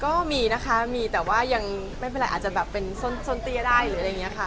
ก็มีนะคะมีแต่ว่ายังไม่เป็นไรอาจจะแบบเป็นส้นเตี้ยได้หรืออะไรอย่างนี้ค่ะ